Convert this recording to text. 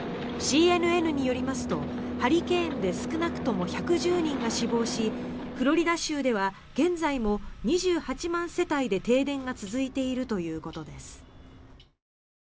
ＣＮＮによりますとハリケーンで少なくとも１１０人が死亡しフロリダ州では現在も２８万世帯で停電が続いているということです。